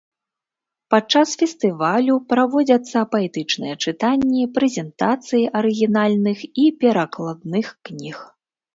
Падчас фестывалю праводзяцца паэтычныя чытанні, прэзентацыі арыгінальных і перакладных кніг.